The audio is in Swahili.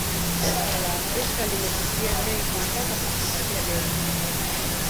Bara la Afrika limepitia mengi mpaka kufikia leo hii